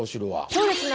そうですね。